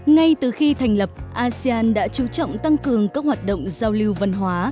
ngay từ khi thành lập asean đã chú trọng tăng cường các hoạt động giao lưu văn hóa